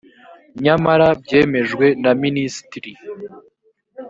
nyamara byemejwe na ministiri